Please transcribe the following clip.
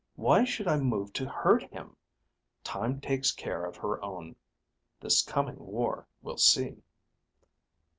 Why should I move to hurt him? Time takes care of her own. This coming war will see."